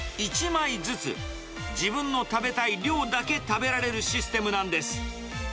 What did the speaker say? １枚ずつ、自分のたべたい量だけ食べられるシステムなんです。